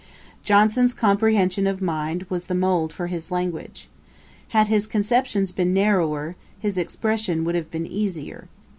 Johnson's comprehension of mind was the mould for his language. Had his conceptions been narrower, his expression would have been easier.